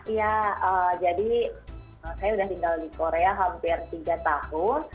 iya jadi saya sudah tinggal di korea hampir tiga tahun